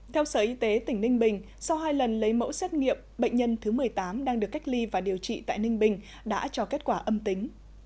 theo sở y tế tỉnh ninh bình sau hai lần lấy mẫu xét nghiệm bệnh nhân thứ một mươi tám đang được cách ly và điều trị tại ninh bình đã cho kết quả âm tính